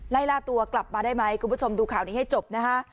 ไล่ล่าตัวกลับมาได้ไหมคุณผู้ชมดูข่าวนี้ให้จบนะคะ